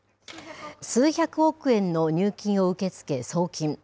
数百億円の入金を受け付け送金。